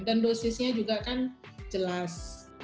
dan dosisnya juga kan jelas